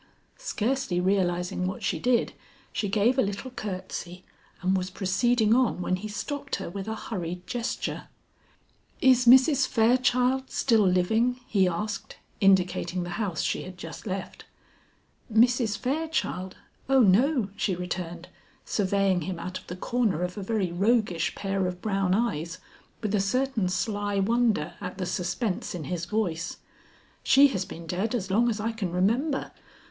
Scarcely realizing what she did she gave a little courtesy and was proceeding on when he stopped her with a hurried gesture. "Is Mrs. Fairchild still living?" he asked, indicating the house she had just left. "Mrs. Fairchild? O no," she returned, surveying him out of the corner of a very roguish pair of brown eyes, with a certain sly wonder at the suspense in his voice. "She has been dead as long as I can remember.